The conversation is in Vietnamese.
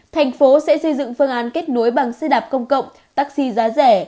thành phố sẽ xây dựng phương án kết nối bằng xe đạp công cộng taxi giá rẻ